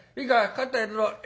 肩入れろ。